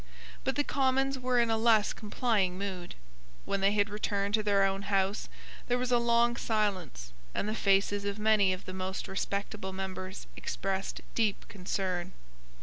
But the Commons were in a less complying mood. When they had returned to their own House there was a long silence; and the faces of many of the most respectable members expressed deep concern.